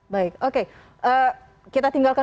baik oke kita tinggalkan